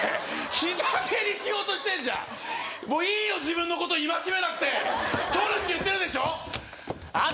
膝蹴りしようとしてんじゃんもういいよ自分のこと戒めなくて録るって言ってるでしょあんた